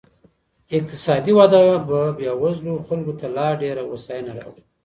اقتصادي وده به بېوزلو خلګو ته لا ډېره هوساینه راوړي.